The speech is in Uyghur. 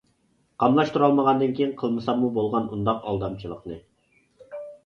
قاملاشتۇرالمىغاندىن كېيىن، قىلمىساممۇ بولغان ئۇنداق ئالدامچىلىقنى.